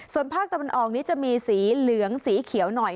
ส่วนภาคตะวันออกนี้จะมีสีเหลืองสีเขียวหน่อย